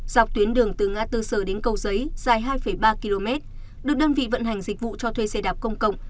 dọc tuyến đường từ ngã tư sở đến cầu giấy dài hai ba km được đơn vị vận hành dịch vụ cho thuê xe đạp công cộng